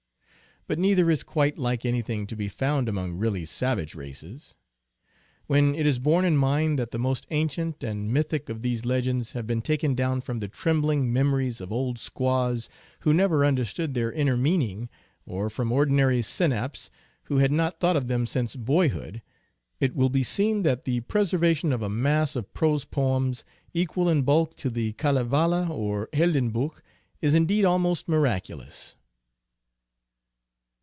But neither is quite like anything to be found among really savage races. When it is borne in mind that the most ancient and mythic of these legends have been taken down from the trembling memories of old squaws who never understood their inner meaning, or from ordinary senaps who had not thought of them since boyhood, it will be seen that the preservation of a mass of prose poems, equal in bulk to the Kalevala or Heldenbuch, is indeed almost miraculous.